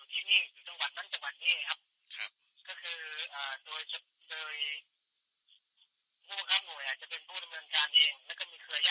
ที่บ้านเป็นโครงการของพ่อสาหารเนี้ยมันก็จะมีโครงการอยู่ที่นี่